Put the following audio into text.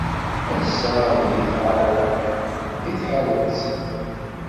Ass-a ad iyi-tɛawned deg tḥanut.